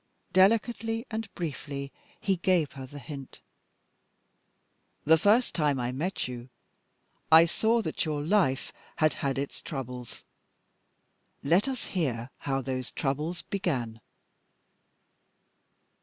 Delicately and briefly he gave her the hint. "The first time I met you," he said, "I saw that your life had had its troubles. Let us hear how those troubles began."